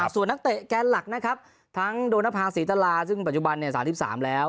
ส่วนนักเตะแกนหลักนะครับทั้งโดนภาษีตราซึ่งปัจจุบัน๓๓แล้ว